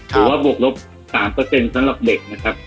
ถือว่าบวกลบ๓สำหรับเด็กนะครับ